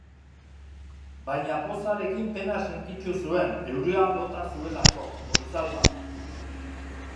Baina pozarekin pena sentitu zuen, euria bota zuelako, goizalban.